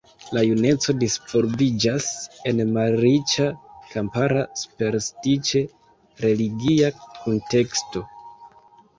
La juneco disvolviĝas en malriĉa, kampara superstiĉe religia kunteksto.